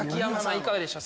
いかがでしょう？